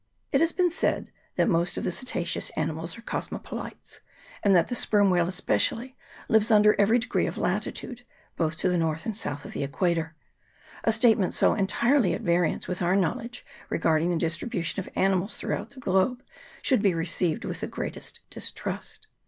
It has been said that most of the cetaceous ani mals are cosmopolites, and that the sperm whale CHAP. II.] WHALES AND WHALERS. 43 especially lives under every degree of latitude, both to the north and south of the equator : a statement so entirely at variance with our knowledge regarding the distribution of animals throughout the globe should be received with very great distrust.